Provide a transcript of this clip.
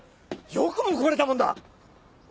よくも来れたもんだ！